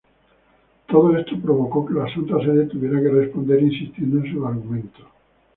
Todo esto provocó que la Santa Sede tuviera que responder, insistiendo en sus argumentos.